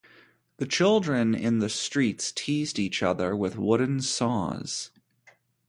The children in the streets teased each other with wooden saws.